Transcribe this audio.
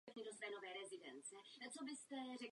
Často se skládají ze tří nebo dvou částí.